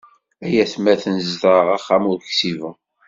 Ay atmaten zedɣeɣ axxam ur ksibeɣ.